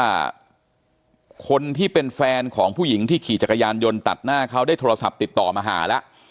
ว่าคนที่เป็นแฟนของผู้หญิงที่ขี่จักรยานยนต์ตัดหน้าเขาได้โทรศัพท์ติดต่อมาหาแล้ว